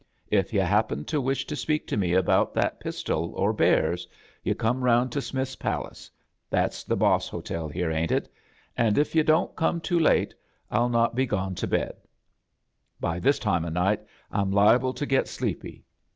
If yu* happen to wish to speak to me about that pistol or bears, yu' come around to Smitli's Palace — that's the boss hotel here, ain't it? — and if yu' don't come too late III not be gone to bed. By this time of night Tm liable to get sleepy.